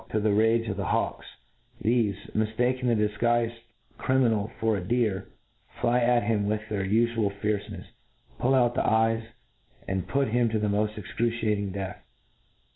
to the rage of the hawks. Thefe, miftaking thp difguiled criminal for a deer, fly at him with thcjr ufual fiercenefs, pull out hij? eyes, and put him to the moft excruciating death.